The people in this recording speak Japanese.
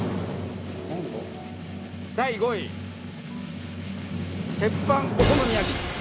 第５位鉄板お好み焼きです。